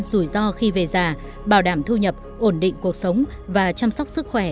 rủi ro khi về già bảo đảm thu nhập ổn định cuộc sống và chăm sóc sức khỏe